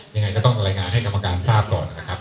ยังไงก็ต้องรายงานให้กรรมการทราบก่อนนะครับ